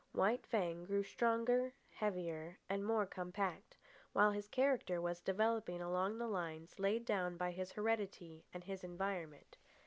White Fang grew stronger, heavier, and more compact, while his character was developing along the lines laid down by his heredity and his environment.